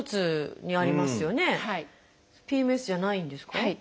ＰＭＳじゃないんですか？